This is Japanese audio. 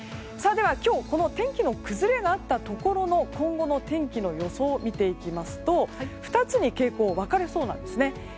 では、今日天気の崩れがあったところの今後の天気の予想を見ていきますと、２つに傾向分かれそうなんですね。